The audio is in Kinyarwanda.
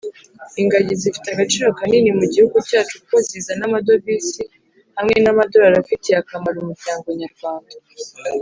ingagi zifite agaciro kanini mu gihugu cyacu kuko zizana amadovisi hamwe namadorari afitiye akamaro umuryango nyarwanda